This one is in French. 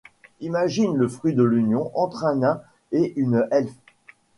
Imagine le fruit de l’union entre un nain et une elfe.